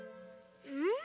うん？